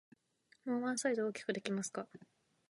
もうワンサイズ大きくできますか？